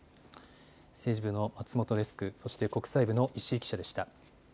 政治部の松本デスク、国際部の石井記者でした。